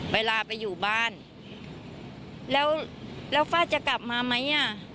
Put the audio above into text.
เวลาไปอยู่บ้านแล้วไฟจะกลับมาไหม